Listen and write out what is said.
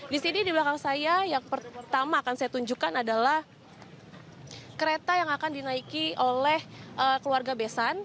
di sini di belakang saya yang pertama akan saya tunjukkan adalah kereta yang akan dinaiki oleh keluarga besan